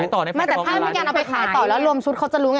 ไม่แต่ถ้ามีการเอาไปขายต่อแล้วรวมชุดเขาจะรู้ไง